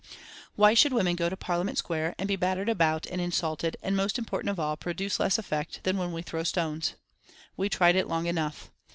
Why should women go to Parliament Square and be battered about and insulted, and most important of all, produce less effect than when we throw stones? We tried it long enough.